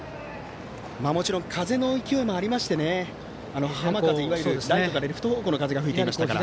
もちろん風の勢いもありまして浜風、いわゆるライトからレフト方向の風が吹いていましたから。